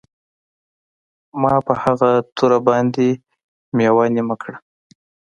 ما په هغه توره باندې میوه نیمه کړه